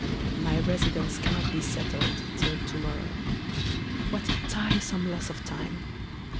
My residence cannot be settled till to morrow. What a tiresome loss of time!